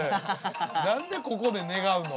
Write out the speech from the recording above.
何でここで願うの。